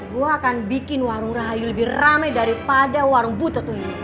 gue akan bikin warung rahayu lebih rame daripada warung butet ini